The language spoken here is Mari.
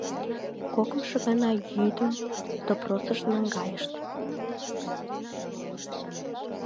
Кокымшо гана йӱдым допросыш наҥгайышт.